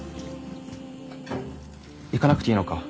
行かなくていいのか？